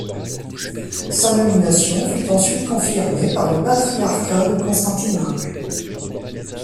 Sa nomination fut ensuite confirmée par le Patriarcat de Constantinople.